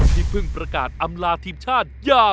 ที่เพิ่งประกาศอำลาทีมชาติยา